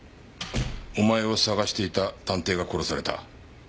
お前を捜していた探偵が殺された。